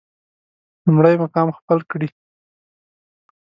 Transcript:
لومړی مقام خپل کړي.